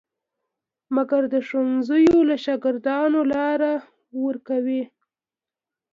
مګر د ښوونځیو له شاګردانو لاره ورکوي.